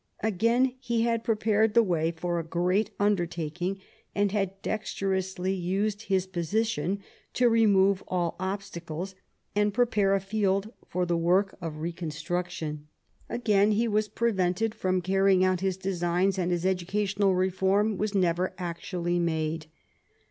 Again he had prepared the way for a great undertaking, and had dex terously used his position to remove all obstacles, and pre pare a field for the work of reconstruction. Again he was L 146 THOMAS WOLSEY chap. prevented from carrying out his designs, and his educa tional reform was never actually made.